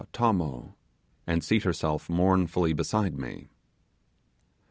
Tommo,' and seat herself mournfully beside me.